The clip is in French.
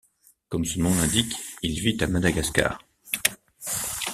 Comme son nom l'indique, il vit à Madagascar.